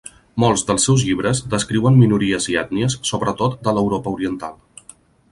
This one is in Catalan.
Molts dels seus llibres descriuen minories i ètnies, sobretot de l'Europa oriental.